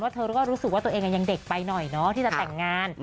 เธอก็รู้สึกว่าตัวเองยังเด็กไปหน่อยเนาะที่จะแต่งงาน